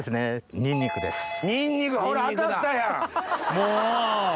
もう！